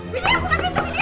widya buka pintu widya